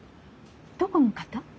どこの方？